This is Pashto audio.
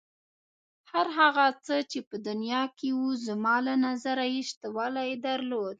هر هغه څه چې په دنیا کې و زما له نظره یې شتوالی درلود.